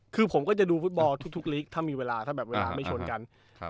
คือผมก็จะดูฟุตบอลทุกทุกลีกถ้ามีเวลาถ้าแบบเวลาไม่ชนกันครับ